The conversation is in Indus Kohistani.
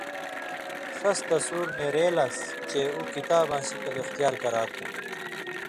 ݜس تصُور نېرے لَس چے اُو کِتاباں شکل اِختیار کرا تُھو